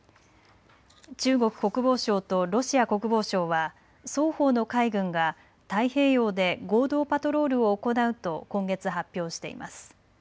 中国国防省とロシア国防省は双方の海軍が太平洋で合同パトロールを行うと今月、発表しています。